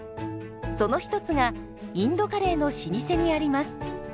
その一つがインドカレーの老舗にあります。